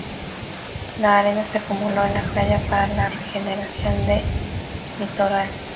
La arena se acumuló en la playa para la regeneración del litoral.